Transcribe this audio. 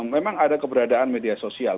memang ada keberadaan media sosial